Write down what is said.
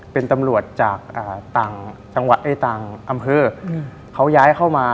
เป็นตำรวจจากต่างอำเภอ